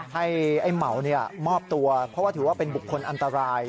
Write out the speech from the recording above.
ให้ไอ้เหมามอบตัวเพราะว่าถือว่าเป็นบุคคลอันตราย